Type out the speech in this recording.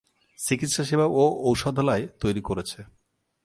চিকিৎসা সেবা ও ঔষধালয় তৈরি করেছে।